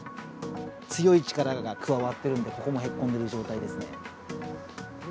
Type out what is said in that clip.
強い力が加わってるんで、ここもへこんでいる状態ですね。